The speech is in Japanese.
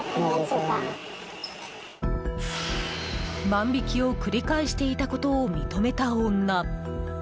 万引きを繰り返していたことを認めた女。